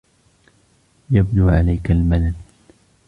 يبدو عليك الملل.